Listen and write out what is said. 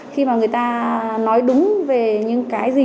khi mà người ta nói đúng về những cái gì